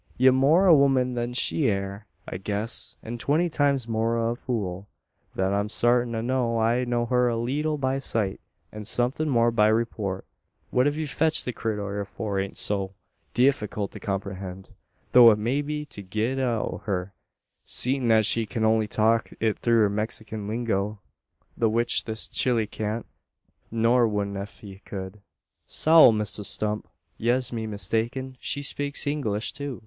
Ye're more o' a woman than she air, I guess; an twenty times more o' a fool. Thet I'm sartint o'. I know her a leetle by sight, an somethin' more by reeport. What hev fetched the critter hyur ain't so difeequilt to comprehend; tho' it may be to git it out o' her, seein' as she kin only talk thet thur Mexikin lingo; the which this chile can't, nor wudn't ef he kud." "Sowl, Misther Stump! yez be mistaken. She spakes English too.